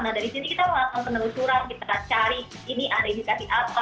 nah dari sini kita langsung menelusuran kita cari ini ada edukasi apa